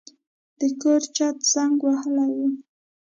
د کور چت زنګ وهلی و.